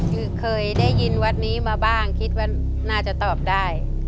คือเคยได้ยินวัดนี้มาบ้างคิดว่าน่าจะตอบได้